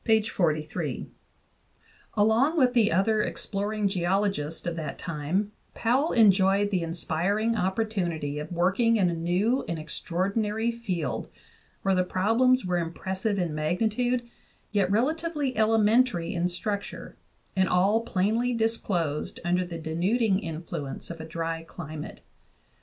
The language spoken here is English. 43). 20 JOHN WIvSLEY POWELL DAVIS Along with the other exploring geologists of that time, Powell enjoyed the inspiring opportunity of working in a new and extraordinary field, where the problems were impressive in magnitude, yet relatively elementary in structure, and all plainly disclosed under the denuding influence of a dry climate.